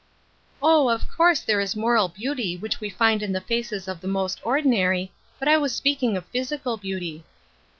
" Oh, of course, there is a moral beauty which we find in the faces of the most ordinary, but I was speaking of physical beauty.'